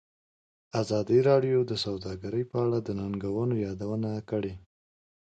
ازادي راډیو د سوداګري په اړه د ننګونو یادونه کړې.